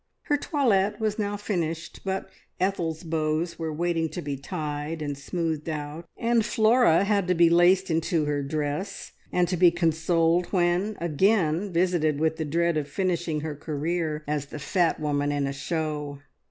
Her toilet was now finished, but Ethel's bows were waiting to be tied and smoothed out, and Flora had to be laced into her dress, and to be consoled when again visited with the dread of finishing her career as the fat woman in a show.